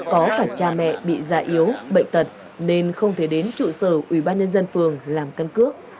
có cả cha mẹ bị da yếu bệnh tật nên không thể đến trụ sở ủy ban nhân dân phường làm căn cước